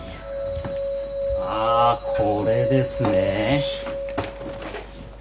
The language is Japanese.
ああこれですね。